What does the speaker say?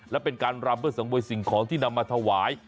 และเป็นการรำเพื่อสังเวยสิ่งของที่นำมาถวาย